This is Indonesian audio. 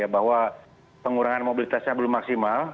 bahwa pengurangan mobilitasnya belum maksimal